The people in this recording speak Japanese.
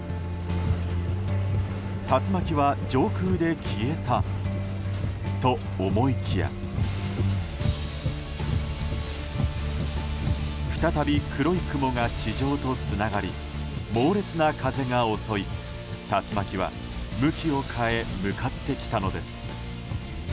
竜巻は上空で消えたと思いきや再び、黒い雲が地上とつながり猛烈な風が襲い竜巻は向きを変え向かってきたのです。